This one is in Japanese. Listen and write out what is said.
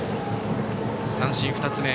三振、２つ目。